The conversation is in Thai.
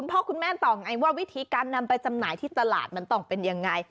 พ่อคุณแม่ตอบไงว่าวิธีการนำไปจำหน่ายที่ตลาดมันต้องเป็นยังไง